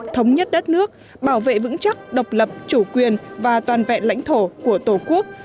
thống nhất đất nước bảo vệ vững chắc độc lập chủ quyền và toàn vẹn lãnh thổ của tổ quốc